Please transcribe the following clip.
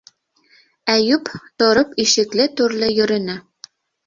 - Әйүп тороп ишекле-түрле йөрөнө.